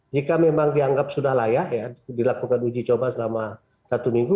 jika memang dianggap sudah layak dilakukan uji coba selama satu minggu